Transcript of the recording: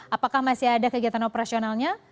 apakah masih ada kegiatan operasionalnya